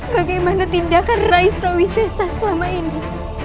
bagaimana tindakan rai surawisya selama ini